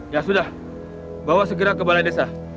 ya sudah bawa segera ke balai desa